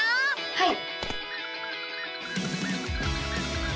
はい！